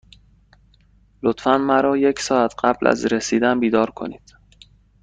لطفا مرا یک ساعت قبل از رسیدن بیدار کنید.